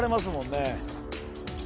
ね